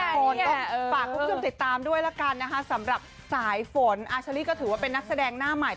คุณค่ะคุณผู้ชมติดตามด้วยนะคะสำหรับสายฝนอาชะรีก็ถือเป็นนักแสดงหน้าใหม่